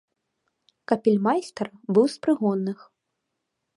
Капельмайстар быў з прыгонных.